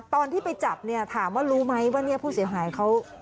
ตอนที่ไปจับเนี่ยถามว่ารู้ไหมว่าเนี่ยผู้เสียหายเขา